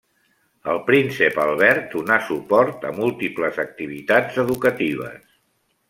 El príncep Albert donà suport a múltiples activitats educatives.